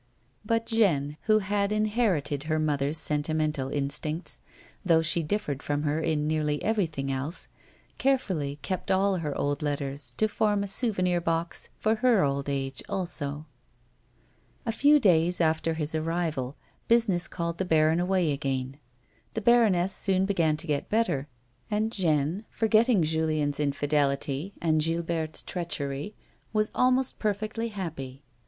But Jeanne, who had inherited her mother's sentimental instincts though she differed from her in nearly everything else, carefully kept all her old letters to form a " souvenir box " for her old age, also. A few days after his arrival, business called the baron away again. The baroness soon began co get better, and Jeanne, forgetting Julien's infidelity and Gilberte's treachery^ was almost perfectly happy.